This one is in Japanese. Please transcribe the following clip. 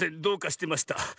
どうかしてました。